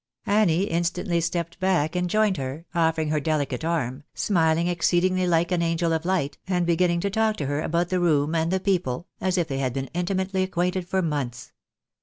Annie instantly stepped back and joined her, offering her deli cate arm, smiling exceedingly like an angel of hght, and beginning to talk to her about the room and the people, as if they had been intimately acquainted for months.